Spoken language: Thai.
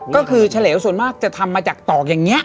ก็คือเฉลวส่วนมากจะทำมาจากตอกอย่างนี้